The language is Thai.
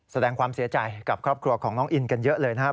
แสดงความเสียใจกับครอบครัวของน้องอินกันเยอะเลยนะครับ